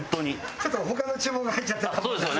ちょっと他の注文が入っちゃってたものですから。